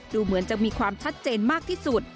ดูเหมือนจะมีความชัดเจนมากที่สุด